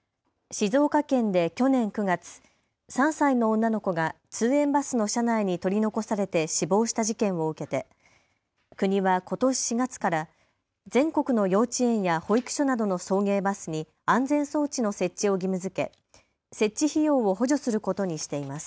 静岡県で去年９月、３歳の女の子が通園バスの車内に取り残されて死亡した事件を受けて国はことし４月から全国の幼稚園や保育所などの送迎バスに安全装置の設置を義務づけ設置費用を補助することにしています。